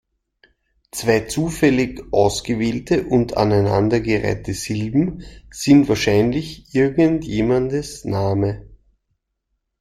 Zwei zufällig ausgewählte und aneinandergereihte Silben sind wahrscheinlich irgendjemandes Name.